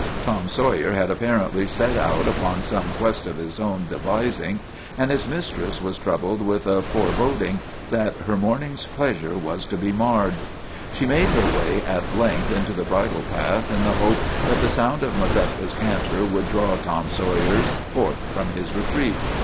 Tom Sawyer had apparently set out upon some quest of his own de vising, and his mistress was troubled with a fore TOM SAWYER OF THE MOVIES 279 boding that her morning's pleasure was to be marred. She made her way at length into the bridle path, in the hope that the sound of Mazeppa's canter would draw Tom Sawyer forth from his retreat.